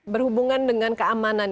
berhubungan dengan keamanan